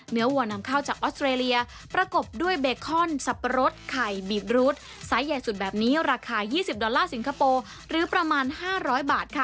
วัวนำเข้าจากออสเตรเลียประกบด้วยเบคอนสับปะรดไข่บีบรูดไซส์ใหญ่สุดแบบนี้ราคา๒๐ดอลลาร์สิงคโปร์หรือประมาณ๕๐๐บาทค่ะ